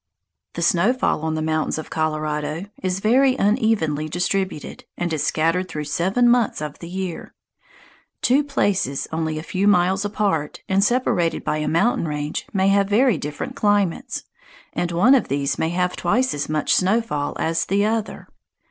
The snow fall on the mountains of Colorado is very unevenly distributed, and is scattered through seven months of the year. Two places only a few miles apart, and separated by a mountain range, may have very different climates, and one of these may have twice as much snow fall as the other.